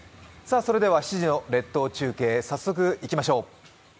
それでは７時の列島中継、早速いきましょう。